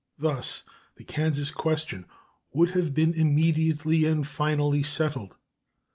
Thus the Kansas question would have been immediately and finally settled.